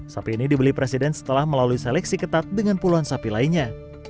sapi ini dibeli presiden setelah melalui seleksi ketat dengan puluhan sapi lainnya